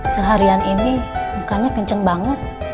seharian ini mukanya kenceng banget